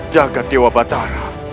jaga dewa batara